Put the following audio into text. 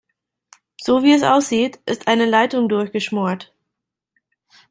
So wie es aussieht, ist eine Leitung durchgeschmort.